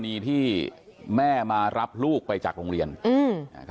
กรณีที่แม่มารับลูกไปจากโรงเรียนอือ